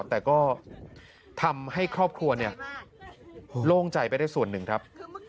แต่ก็ทำให้ครอบครัวโล่งใจไปได้ส่วนหนึ่งครับ